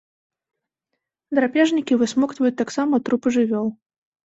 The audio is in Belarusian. Драпежнікі, высмоктваюць таксама трупы жывёл.